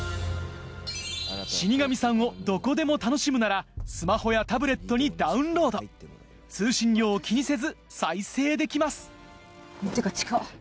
『死神さん』をどこでも楽しむならスマホやタブレットにダウンロード通信料を気にせず再生できますってか近っ。